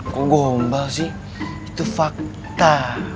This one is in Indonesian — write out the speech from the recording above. kok gombal sih itu fakta